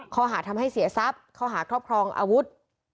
ข้อหาทำให้เสียทรัพย์ข้อหาครอบครองอาวุธ